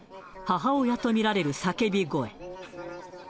母親と見られる叫び声。